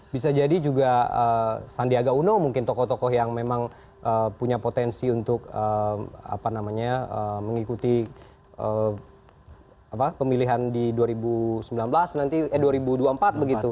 bisa jadi juga sandiaga uno mungkin tokoh tokoh yang memang punya potensi untuk mengikuti pemilihan di dua ribu sembilan belas nanti eh dua ribu dua puluh empat begitu